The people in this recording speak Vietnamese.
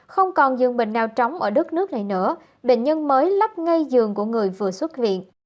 không còn giường bệnh nào trống ở đất nước này nữa bệnh nhân mới lắp ngay giường của người vừa xuất viện